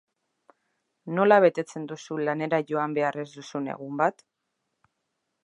Nola betetzen duzu lanera joan behar ez duzun egun bat?